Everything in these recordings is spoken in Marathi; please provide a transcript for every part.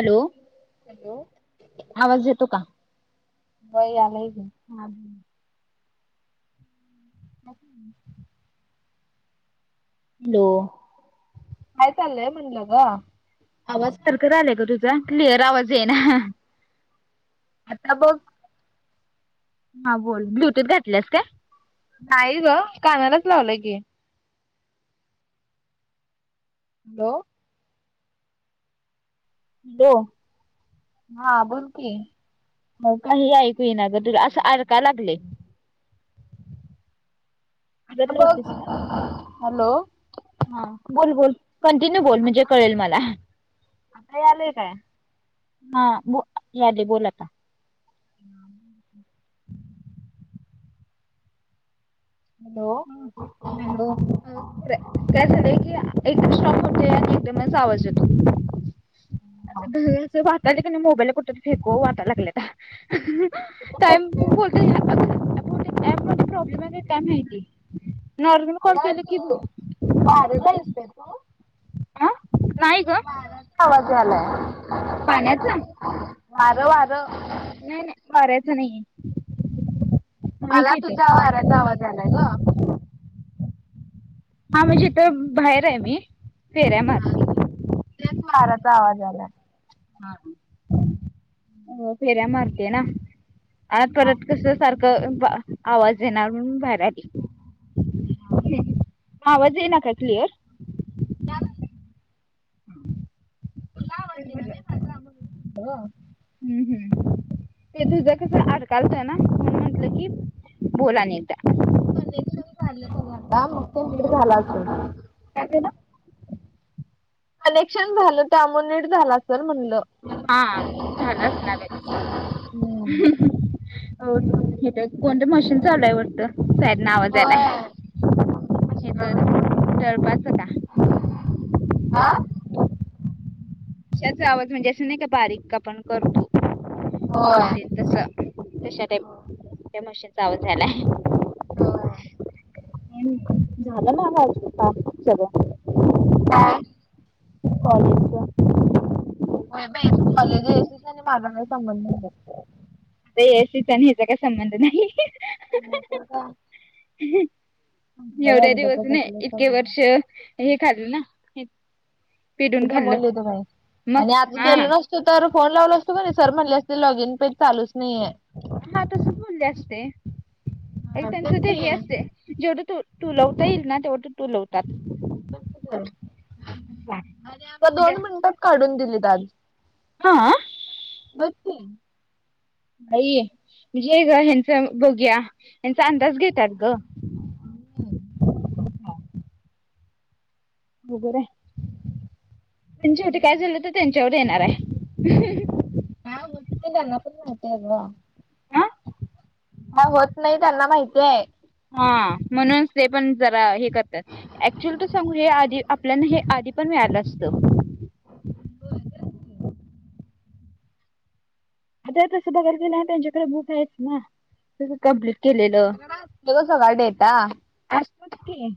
हॅलो. आवाज येतो का? वय झालय की. ह [unintelligible] हो [unintelligible] हँलो. काय चाललय म्हणलो ग. आवाज खरखरालय ग तुझा क्लिअर आवाज येना. आता बघ. हा बोल ब्लूटूथ घातल्यास काय? नाही ग कानालाच लावलंय की. लो लो हा बोल कि. [unintelligible] तुझ असं अडकाय लागलय. [unintelligible] हळद आता लावतीस बघ का? हॅलो. हा बोल बोल कंटिन्यू बोल म्हणजे आता कळेल मला. आता यायलय काय? हा बो याले बोलात आता. [unintelligible] हॅलो. हॅलो रे काय झालंय की एकदम स्ट्रॉंग होते आणि एकदमच आवाज येतो. असं दहीचे वाताले क नाही मोबाईलला कुठं फेको वाटयला लागले. टाइम खूब बोलतोय ह्या [unintelligible] ऐप मध्ये हाय का काय माहिती? नॉर्मल कॉल अगं केलं की तू वार्याला आलीस काय तू? आं नाय गं. वाराचा आवाज आलाय. पाण्याचा वारं वारं नाही नाही वार्याचं नाहीये. नाही मला की तुझ्या इथं वाऱ्याचा आवाज आलाय गं. हा म्हणजे इथं बाहेर आहे मी. फेऱ्या हा मारते. तेच वाराचा आवाज आलाय. हा हो फेऱ्या मारते ना आत परत कसं सारखं आवाज बा येणार म्हणुन बाहेर आली. हां. आवाज येना काय क्लिअर? त्या म्हण तुला आवाज येना नाय माझा म्हणुन बोललो. हम्म हम्म ते तुझं कसं अडकालतोय ना. म्हणून म्हटलं की बोला नाही तर. कनेक्शन काढलं सगळं आता [unintelligible] झाला असतं. काय झालं? कनेक्शन झालं त्यामुळे नीट झालं असेल म्हणलं. हा झालं असणार आहे तिचं. ओ हिटर कोणते मशीन चालू आहे वाटतं. फेअर ना आवाज आलाय होय हेचा [unintelligible] होता. हा [unintelligible] म्हणजे असं नाही का बारीक आपण करतो होय. कहुंटे तसा. तशा टाई त्या मशीन चा आवाज यायलाय. होय. [unintelligible] झालं ना आवाज होता सगळं. [unintelligible] कॉलेजच्या होय बाय तु कॉलेज येशील का नाही माझा काय संबंध. [unintelligible] त्या ए सी चा आणि याचा काय संबंध नाही. एवढ्या एकदा दिवस नाय घेतलं इतके सगळ वर्ष हे खाल्लं ना हे हे दमवले होते मॅडम मग आणि आता हा गेले ना अ चे तर फोन लावलं असते का नाही सर म्हणले असते लॉग इन पेज चालूच नाहीये. हा तसंच बोलले असते ए हा तेच त्यांचे ते की हे असते जेवढं तू तुलावता येईल ना तेवढं तुलवता आणि आता म्हणजे दोन मिनटात काढून दिली त्याल हा? बघ की. नई म्हणजे ग ह्याचं बघूया, ह्यांचा अंदाज घेत्यात ग. बरोबर आहे, आणि शेवटी काय झालं तर त्यांच्यावर येणार आहे. हा बोल ते त्यांना पण माहितीये ग. हा हा होत नाही, त्यांना माहिती आहे. हा म्हणूनच ते पण जरा हे करत्यात. ऍक्च्युअल त सांगू हे आधी आपल्याला हे आधी पण मियाळालं असतं. होय काय आता तसं बघायला गेलो, तर त्यांच्याकडे बुक आहेत ना. तसं कम्प्लीट केलेलं, ग सगळा डेटा. असत्यात की.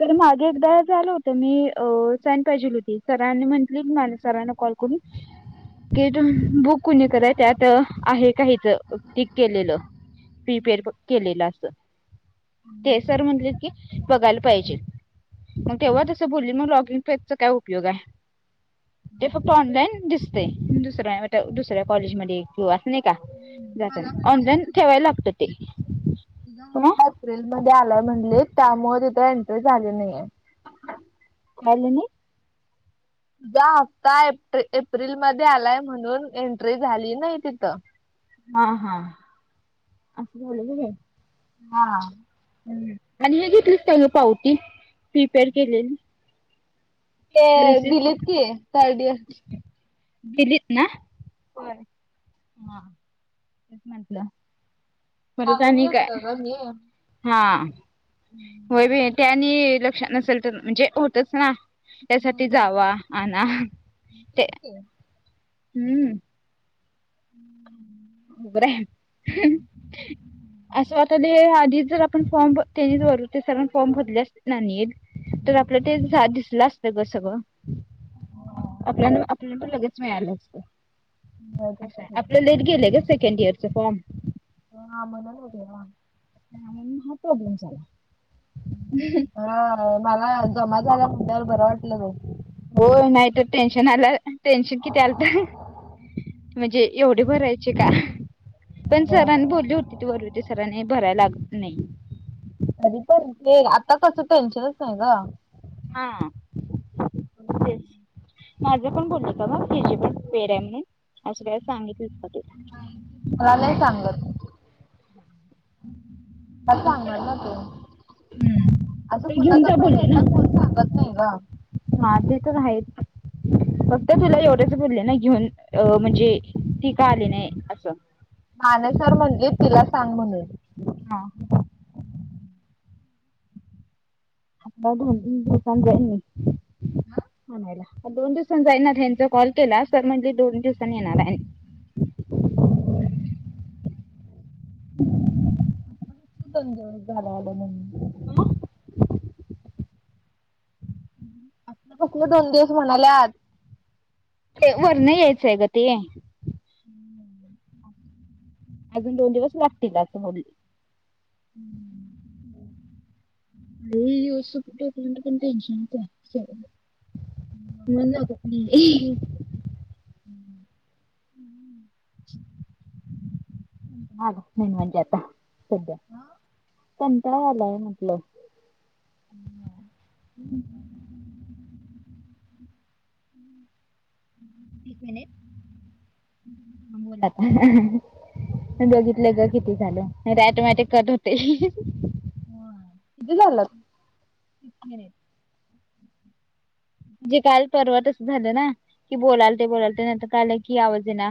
तर मागे एकदा झालं होतं, मी साईन पाहिजे होती सरांनी म्हंटली सरांने कॉल कुणी ते बुक कोणी त्यात आहे काहीच टक केलेलं प्रिपेर केलेलं असं. ते सर म्हटले की बघायला पाहिजे, मग तेव्हा तसं बोलले मग लॉगिनचा काय उपयोग आहे? ते फक्त ऑनलाईन दिसते दुसऱ्या दुसऱ्या कॉलेजमध्ये. नाही का जात ऑनलाईन ठेवायला लागत ते. एप्रिल मध्ये आलाय म्हणली त्यामुळे तिथे एंट्री झाली नाहीय. आल नई. तुझा हप्ता एप्रि एप्रिल मध्ये आलाय म्हणून एंट्री झाली नाही तिथं. हा हा अस झालंय व्हय हा हा. आणि हे घेतलंच त्याग पावती प्रिपेअर केलेली. ते रिसिप्ट दिलेत की थर्ड इयर. दिलीप ना होय हा तेच म्हंटलं परत मागून आणि काय? घेतलं ग मी हा होय बाई ते आणि लक्षात नसेल तर म्हणजे होतच ना. त्यासाठी जावा आणा ते हम्म. अवघड आहे. हो. असं आता ते आधी जर आपण फॉर्म त्यांनीच भ ते सर्ण फॉर्म भरले असतेना नीट. तर आपलं ते जा दिसलं असतं ग सगळं. आपल्यान आपल्याला पण लगेच मिळालं असत. होय बाई खरंय. लेट गेले ग सेकंड ईयर चे फॉर्म. हा म बरोबर तेव्हा. हा मग हा प्रॉब्लेम झाला. हा मला जमा झाला म्हणल्यावर बरं वाटलं ग. हो नाहीत टेन्शन आलं. टेन्शन किती आलतं? म्हणजे एवढे भरायचे का? पण सरांनी बोलली होती ती वरवी ते सरांने भरायला लागत नाही अध पण ते आता कसं टेन्शनच नाही ग. हा [unintelligible] माझ्या पण बोलल्यात बाबा ह्याची पण फेर हाय म्हणून. असं काय सांगितलेस का तू? मला नाही सांगत पण सांगणार ना तू. हम्म असं ते कुणाचा पण डेटा कोण सांगत नाही गं. हां ते तर हायच की. हम्म. फक्त तुला एवढंच बोलले ना घेऊन अ म्हणजे ती का आली नाही. असं. माझं सर म्हणलीत तिला सांग म्हणून. हां. हम्म. बघू [inaudible] [unintelligible] आणायला दोन दिवसान जाईन [unintelligible] कॉल केला सर म्हणले दोन दिवसांनी येणार आहे. म्हणून तू [unintelligible] [inaudible] कुठलं दोन दिवस म्हणाल्यात. ते वरनं यायचंय गं ते. हम्म. अजून दोन दिवस लागतील असं बोलले. हम्म. हम्म, लय दिवस सुट्ट्या [unintelligible] पण टेन्शनच आहे सगळं. [unintelligible] हम्म. हम्म, माझं मन म्हणजे आता सध्या, कंटाळा आलाय म्हटलं. हम्म. एक मिनिट. अ बोल आता, बघितलं गं किती झालं. [unintelligible] कट होतंय. होय किती झाल्यात? तीस मिनिट. जे काल परवा तसं झालं ना की बोलालते बोलालते नंतर कळालं की आवाज येईना.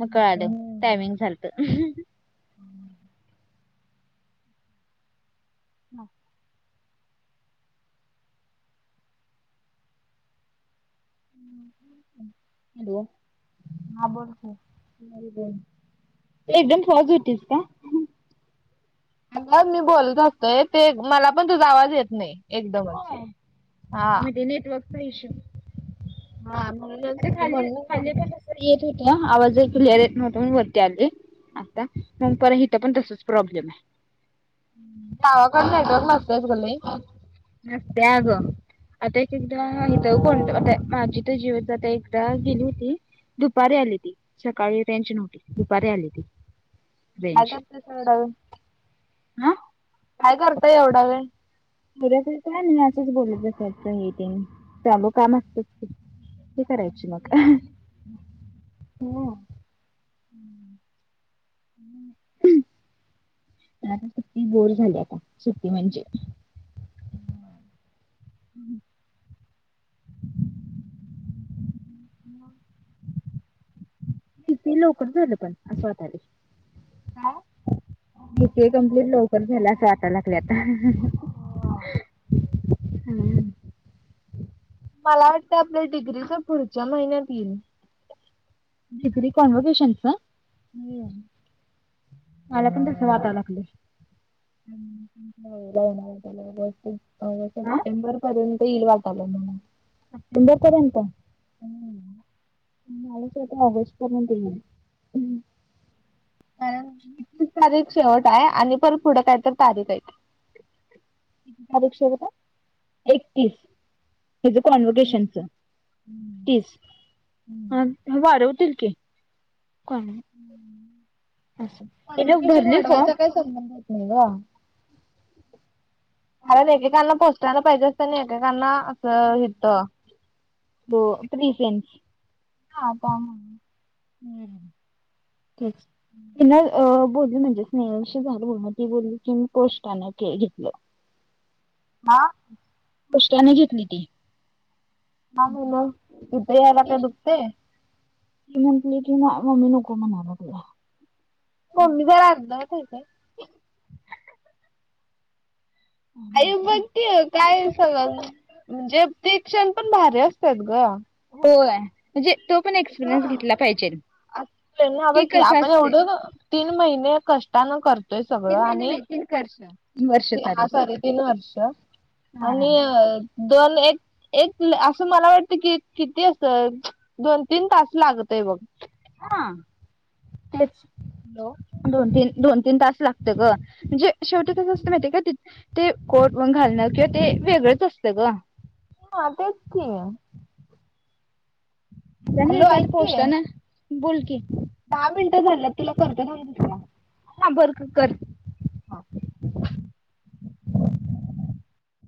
मग कळालं टाइमिंग झालतं. [unintelligible] हॅलो हां बोल की. [unintelligible] एकदम पॉझ होतीस का? अगं मी बोलत होते ते मला पण तुझा आवाज येत नाही एकदमच. होय, काय हा माहिती नेटवर्कचा इश्यू. [unintelligible] येत होता आवाज क्लिअर येत नव्हतं म्हणून वरती आले. आता मग पर इथं पण तसच प्रॉब्लेम आहे. गावाकडं नेटवर्क नसतयच गं लय. नसतंय अगं आता एकेकदा इथं [unintelligible] माझी [unintelligible] एकदा गेली होती. दुपारी आली ती सकाळी रेंज नव्हती दुपारी आली ती. काय करतेस तेवढा वेळ? आं काय करते ऐवढा वेळ? [unintelligible] काय असंच बोलले त्याचा हे ते नाही त्या व कामं असते ती करायची मग. [inaudible] [unintelligible] हम्म. आता सुट्टी बोर झाल्या आता सुट्टी म्हणजे. [inaudible] हम्म. मग ती लवकर झाली पण असं वाटायले. काय बी के कमप्लीट लवकर झाला असं वाटायला लागले आता. हां. मला वाटतं आपल्या डिग्रीचा पुढच्या महिन्यात येईल. डिग्री कोनवोकेशनस का? [unintelligible] मला पण तसं वाटायला लागलंय. [unintelligible] अगं हा सप्टेंबर पर्यंत येईल वाटायलं मला. सप्टेंबर पर्यंत कारण मला असं वाटलं ऑगस्ट पर्यंत येईल. [unintelligible] एक्किस तारीख शेवट आहे आणि पण पुढं काय तर तारीख आहे. किती तारीख शेवट आहे एक्कीस. हेजे तीस तीस कॉन्वकेशनचा हम्म. तीस आन हां वाढवतील की. कोण आहे असं हिने भरली फॉर्म? [unintelligible] नाय गं. हाय ने एकेकांला पोस्टराला पाहिजे असतं ना आणि एकेकांना अ तं हिथं. फॉर्म प्रिसेन्स [unintelligible] हम्म हम्म तेच ती नाय अ बोलली म्हणजे स्नेहलशी झालं बोलणं ती बोलली की मी कोशटाने घे घेतलं. हा. पोष्टाने घेतली ती. का गं म [unintelligible] ते दुखते. ती म्हंटली की मा मम्मी नको म्हणा लागल्या. मम्मी जरा आगदावत हाय काय? आई बघ की काय असं म्हणजे ते क्षण पण भारी असतात गं. होय म्हणजे तो पण हा एक्सपिरियन्स घेतला पाहिजे आत त्यांना बाई की कसं आपण असते एवढं का तीन महिने कष्टानं कर तीन महिने नाय तीन कर्ष हा सॉरी तीन वर्ष हा आणि अ दोन एक एक असं मला वाटत की किती असं दोन तीन तास लागतय बघ. हा तेच हॅलो दोन तीन दोन तीन तास लागत ग म्हणजे शेवटी कस असत माहीती ये का ते ते कोट पण घालणं किंवा ते वेगळंच असतं ग. हा तेच की त्यानं एखाद पोस्टान बोल की, दहा मिनटं झाल्यात तुला करते मग दुसरा. हां बर कर हा